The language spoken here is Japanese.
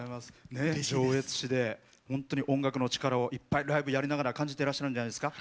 上越市で本当に音楽の力をいっぱいライブをやりながら感じてらっしゃるんじゃないですか。